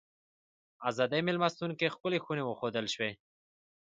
ازادۍ مېلمستون کې ښکلې خونې وښودل شوې.